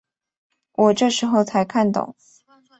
我这时候才看懂